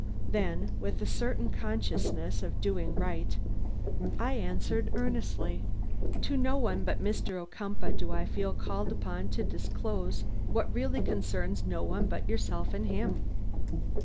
Then, with a certain consciousness of doing right, I answered earnestly: "To no one but to Mr. Ocumpaugh do I feel called upon to disclose what really concerns no one but yourself and him."